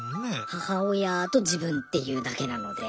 母親と自分っていうだけなので。